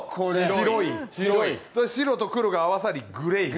白と黒が合わさりグレー。